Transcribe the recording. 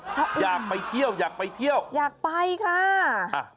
ชะอุ่มอยากไปเที่ยวอยากไปเที่ยวอยากไปค่ะชะอุ่ม